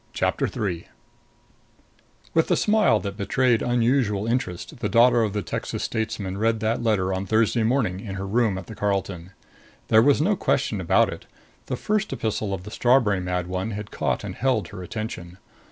CHAPTER III With a smile that betrayed unusual interest, the daughter of the Texas statesman read that letter on Thursday morning in her room at the Carlton. There was no question about it the first epistle from the strawberry mad one had caught and held her attention.